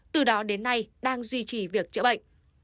từ đó đến nay đang duy trì việc chữa bệnh